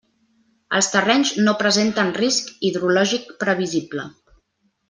Els terrenys no presenten risc hidrològic previsible.